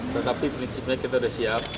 tetapi prinsipnya kita sudah siap